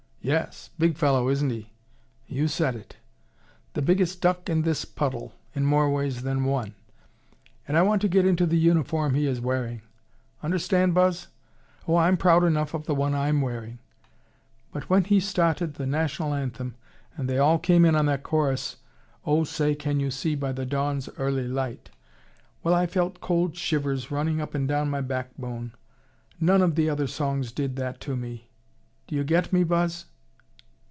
"Yes. Big fellow, isn't he?" "You said it! The biggest duck in this puddle, in more ways than one. And I want to get into the uniform he is wearing. Understand, Buzz? Oh, I'm proud enough of the one I'm wearing, but when he started the national anthem, and they all came in on that chorus, 'Oh, say can you see, by the dawn's early light,' well, I felt cold shivers running up and down my backbone. None of the other songs did that to me. Do you get me, Buzz?"